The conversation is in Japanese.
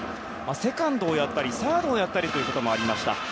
セカンドやサードをやったりということもありました。